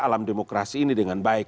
alam demokrasi ini dengan baik